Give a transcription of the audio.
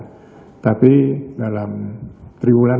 fruit bank indonesia memperkirakan